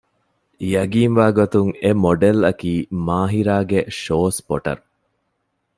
ޔަގީންވާގޮތުން އެ މޮޑެލްއަކީ މާހިރާގެ ޝޯ ސްޕޮޓަރު